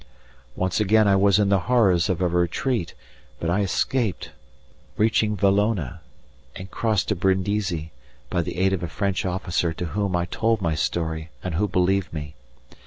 Once again I was in the horrors of a retreat, but I escaped, reaching Valona, and crossed to Brindisi, by the aid of a French officer to whom I told my story and who believed me.